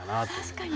確かに。